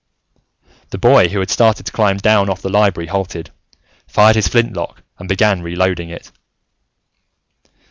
The boy who had started to climb down off the Library halted, fired his flintlock, and began reloading it.